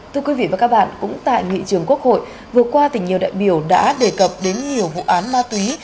thưa quý vị và các bạn cũng tại nghị trường quốc hội vừa qua thì nhiều đại biểu đã đề cập đến nhiều vụ án ma túy